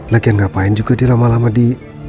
latihan ngapain juga dia lama lama di